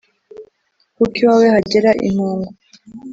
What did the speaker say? kuko iwawe hagera impungu